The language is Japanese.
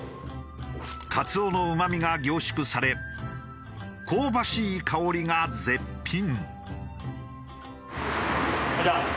カツオのうまみが凝縮され香ばしい香りが絶品。